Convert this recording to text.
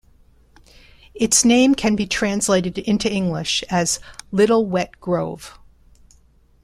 Its name can be translated into English as "little wet grove".